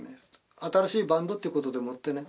新しいバンドってことでもってね